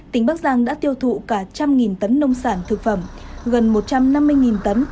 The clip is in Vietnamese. tỉnh bắc giang đã tiêu thụ cả trăm nghìn tấn nông sản thực phẩm gần một trăm năm mươi tấn